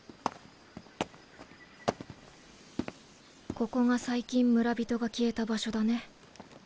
ここが最近村人が消えた場所だね。